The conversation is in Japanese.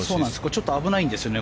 ちょっと危ないんですよね。